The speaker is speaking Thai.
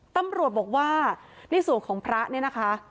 ตำรวจบอกว่าในส่วนของพระเนี่ยนะคะ